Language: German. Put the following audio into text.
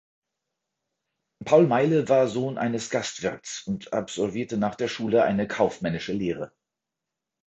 Paul Meyle war Sohn eines Gastwirts und absolvierte nach der Schule eine kaufmännische Lehre.